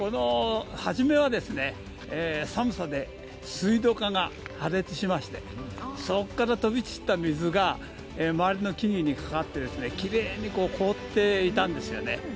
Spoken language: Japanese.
はじめは寒さで水道管が破裂しましてそこから飛び散った水が周りの木々にかかってきれいに凍っていたんですよね